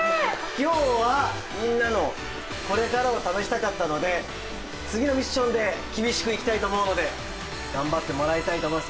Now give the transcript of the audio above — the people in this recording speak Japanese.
きょうはみんなのこれからを試したかったので、次のミッションで厳しくいきたいと思うので、頑張ってもらいたいと思います。